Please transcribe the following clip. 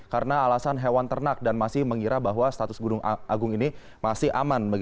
karena alasan hewan ternak dan masih mengira bahwa status gunung agung ini masih aman